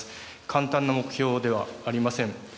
簡単な目標ではありません。